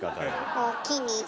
おおきに。